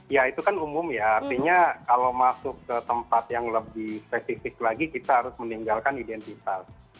ya itu kan umum ya artinya kalau masuk ke tempat yang lebih spesifik lagi kita harus meninggalkan identitas